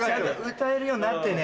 歌えるようになってね。